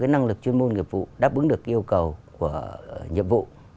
năng lực chuyên môn nghiệp vụ đáp ứng được yêu cầu của nhiệm vụ